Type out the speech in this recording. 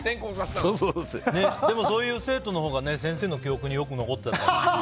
でもそういう生徒のほうが先生の記憶によく残ってる。